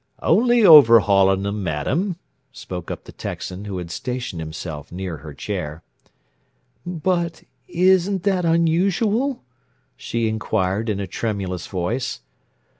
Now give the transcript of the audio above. "Only overhauling them, madam," spoke up the Texan, who had stationed himself near her chair. "But isn't that unusual!" she inquired in a tremulous voice.